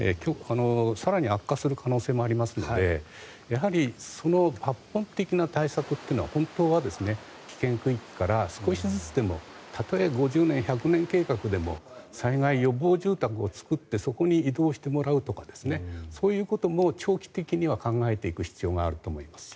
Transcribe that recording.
更に悪化する可能性もありますのでやはりその抜本的な対策というのは本当は危険区域から少しずつでもたとえ５０年、１００年計画でも災害予防住宅を作ってそこに移動してもらうとかそういうことも長期的には考えていく必要があると思いますし。